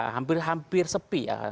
hampir hampir sepi ya